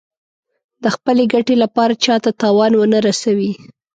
د خپلې ګټې لپاره چا ته تاوان ونه رسوي.